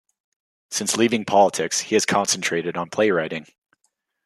Since leaving politics he has concentrated on playwriting.